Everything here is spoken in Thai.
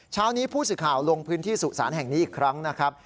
เช้านี้ผู้สื่อข่าวลงพื้นที่สุสานแห่งนี้อีกครั้งนะครับ